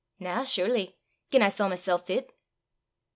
"Na, surely gien I saw mysel' fit."